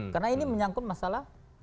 karena ini menyangkut masalah